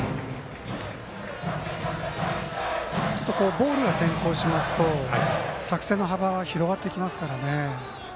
ボールが先行しますと作戦の幅が広がっていきますからね。